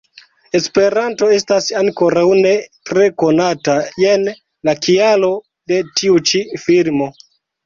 Esperanto estas ankoraŭ ne tre konata, jen la kialo de tiu ĉi filmo.